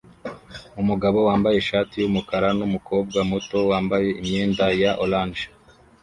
Umugabo wambaye ishati yumukara numukobwa muto wambaye imyenda ya orange